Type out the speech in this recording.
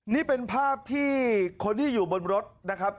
นี่เป็นภาพที่คนที่อยู่บนรถนะครับ